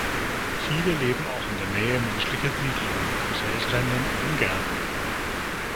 Viele leben auch in der Nähe menschlicher Siedlungen, an Feldrändern und in Gärten.